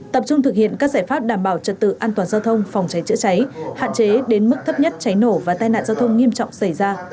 tập trung thực hiện các giải pháp đảm bảo trật tự an toàn giao thông phòng cháy chữa cháy hạn chế đến mức thấp nhất cháy nổ và tai nạn giao thông nghiêm trọng xảy ra